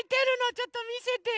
ちょっとみせてよ。